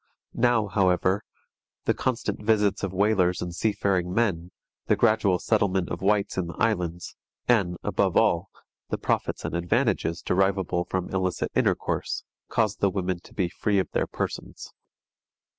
Now, however, the constant visits of whalers and seafaring men, the gradual settlement of whites in the islands, and, above all, the profits and advantages derivable from illicit intercourse, cause the women to be free of their persons.